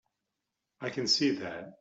I can see that.